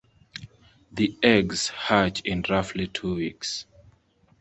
The eggs hatch in roughly two weeks.